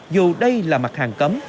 dù đây là mặt hàng cấm